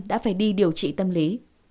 đã phải đi điều trị tâm lý